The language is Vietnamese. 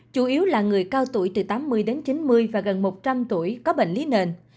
chủ yếu là người cao tuổi từ tám mươi đến chín mươi và gần một trăm linh tuổi có bệnh lý nền